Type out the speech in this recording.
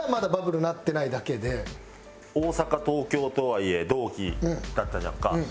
大阪東京とはいえ同期だったじゃんか。